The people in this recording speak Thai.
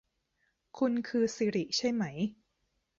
คุณคือสิริใช่ไหม